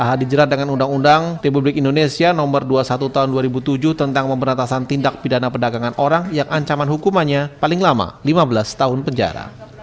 aha dijerat dengan undang undang republik indonesia nomor dua puluh satu tahun dua ribu tujuh tentang pemberantasan tindak pidana perdagangan orang yang ancaman hukumannya paling lama lima belas tahun penjara